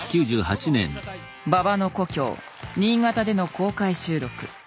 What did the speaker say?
馬場の故郷新潟での公開収録。